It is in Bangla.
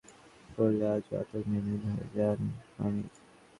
খুব সম্ভবত সেই সময়টার কথা মনে করলে আজও আতঙ্কে নীল হয়ে যান আমির।